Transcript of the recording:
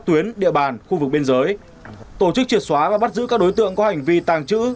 tuyến địa bàn khu vực biên giới tổ chức triệt xóa và bắt giữ các đối tượng có hành vi tàng trữ